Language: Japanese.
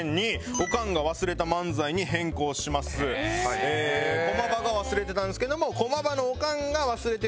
駒場が忘れてたんですけども。